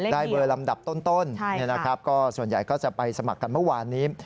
เบอร์ลำดับต้นก็ส่วนใหญ่ก็จะไปสมัครกันเมื่อวานนี้